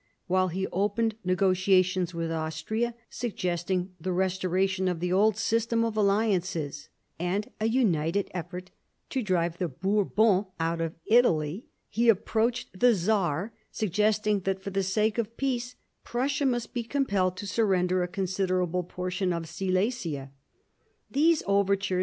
While he opened negotiations with Austria, suggesting . the restoration of the old system of alliances and a united effort to drive the Bourbons out of Italy, he approached the Czar, suggesting that for the sake of peace Prussia must be compelled to surrender a considerable portion of Silesia.